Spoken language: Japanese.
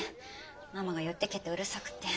ママが寄ってけってうるさくて。